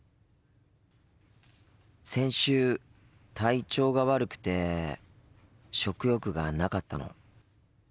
先週体調が悪くて食欲がなかったの。